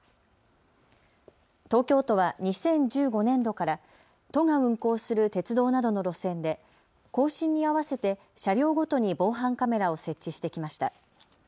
東京都は２０１５年度から都が運行する鉄道などの路線で更新に合わせて車両ごとに防犯カメラを設置してきました。